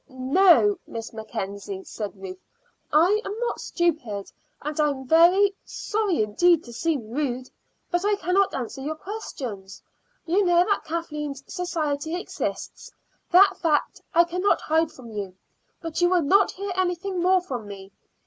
"No, Miss Mackenzie," said Ruth, "I am not stupid; and I am very, sorry indeed to seem rude, but I cannot answer your questions. You know that Kathleen's society exists; that fact I cannot hide from you, but you will not hear anything more from me.